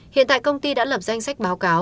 hiện tại công ty đã lập danh sách báo cáo